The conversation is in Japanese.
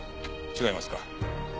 違いますか？